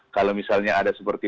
kalau misalnya ada seperti